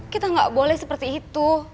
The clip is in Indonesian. kita nggak boleh seperti itu